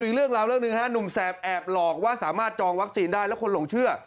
อีกเรื่องราวเรื่องหนึ่งฮะหนุ่มแสบแอบหลอกว่าสามารถจองวัคซีนได้แล้วคนหลงเชื่อ